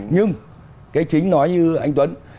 nhưng cái chính nói như anh tuấn